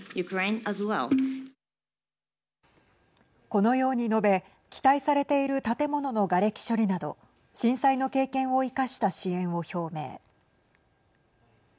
このように述べ期待されている建物のがれき処理など震災の経験を生かした支援を表明。